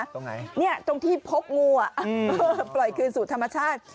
ตรงไหนตรงที่พบงูปล่อยคืนสูตรธรรมชาติ